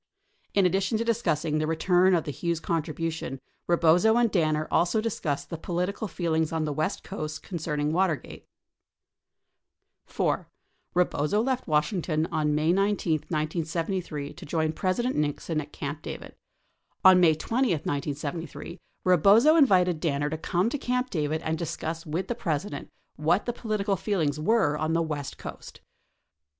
In addition to discussing the return of the Hughes contribu tion, Eebozo and Danner also discussed the (political feelings on the west coast concerning W atergate. 4. Eebozo left Washington on May 19, 1973, to join President Nixon at Camp David. On May 20, 1973, Eebozo invited Danner to come to Camp David and discuss with the President what the political feelings were on the west coast.